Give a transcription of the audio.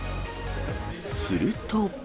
すると。